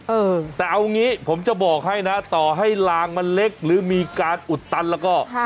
เออแต่เอางี้ผมจะบอกให้นะต่อให้ลางมันเล็กหรือมีการอุดตันแล้วก็ค่ะ